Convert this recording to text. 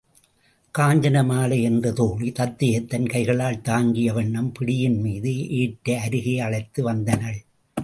காஞ்சனமாலை என்ற தோழி தத்தையைத் தன் கைகளால் தாங்கிய வண்ணம் பிடியின் மீது ஏற்ற அருகே அழைத்து வந்தனள்.